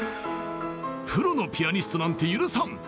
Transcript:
プロのピアニストなんて許さん！